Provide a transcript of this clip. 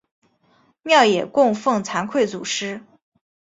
庙也供俸惭愧祖师。